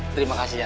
terima kasih pak